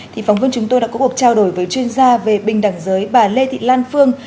thì phóng viên chúng tôi đã có cuộc trao đổi với chuyên gia về bình đẳng giới bà lê thị lan phương